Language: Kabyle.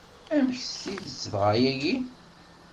Amek s tidett dɣa ayagi?